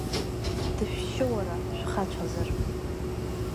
Дышәшьы уара, шәхацәазар!